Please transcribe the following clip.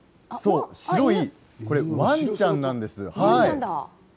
白いワンちゃんなんです。